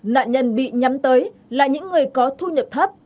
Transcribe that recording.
nạn nhân bị nhắm tới là những người có thu nhập thấp